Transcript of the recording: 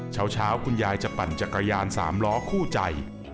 เช้าคุณยายจะปั่นจักรยาน๓ล้อคู่ใจ